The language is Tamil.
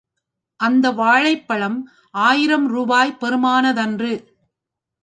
அந்த வாழைப் பழம் ஆயிரம் ரூபாய் பெறுமானதன்று.